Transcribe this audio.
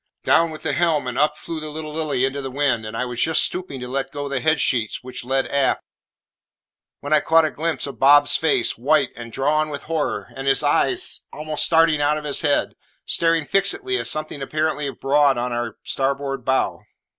Down went the helm, and up flew the little Lily into the wind, and I was just stooping to let go the head sheets (which led aft), when I caught a glimpse of Bob's face, white and drawn with horror, and his eyes almost starting out of his head staring fixedly at something apparently broad on our starboard bow.